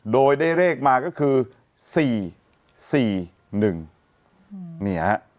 โดยได้เลขมาก็คือสี่สี่หนึ่งเนี่ย